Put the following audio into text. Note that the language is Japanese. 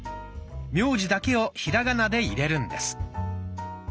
名字だけをひらがなで入れるんです。